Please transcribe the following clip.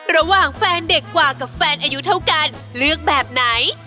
ระหว่างแฟนเด็กกว่ากับแฟนอายุเท่ากันเลือกแบบไหน